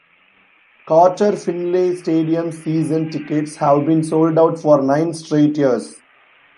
Carter-Finley Stadium's season tickets have been sold out for nine straight years.